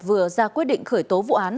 vừa ra quyết định khởi tố vụ án